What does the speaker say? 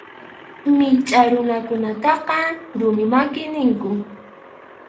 Michʼa runakunataqa rumi maki ninku.